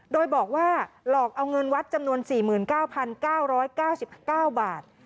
โดยบอกว่าหลอกเอาเงินวัดจำนวน๔๙๙๙๙บาท